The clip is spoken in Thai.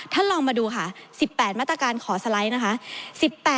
ลองมาดูค่ะ๑๘มาตรการขอสไลด์นะคะ